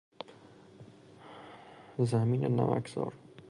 زمین نمک زار